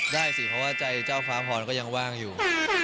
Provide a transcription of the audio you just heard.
ได้สิเพราะว่าใจเจ้าฟ้าพรก็ยังว่างอยู่